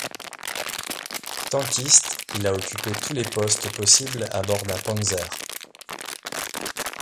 Tankiste, il a occupé tous les postes possibles à bord d'un Panzer.